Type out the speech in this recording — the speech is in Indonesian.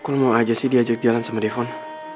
kul mau aja sih diajak jalan sama devon